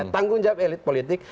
tanggung jawab elit politik